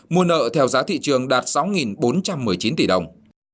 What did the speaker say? mua nợ theo giá thị trường đạt sáu bốn trăm một mươi chín tỷ đồng